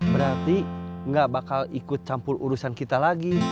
berarti gak bakal ikut campur urusan kita lagi